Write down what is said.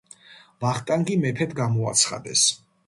ვახტანგი მეფედ გამოაცხადეს.